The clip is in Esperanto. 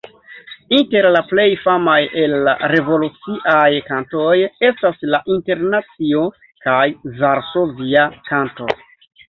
Inter la plej famaj el la revoluciaj kantoj estas La Internacio kaj Varsovia Kanto.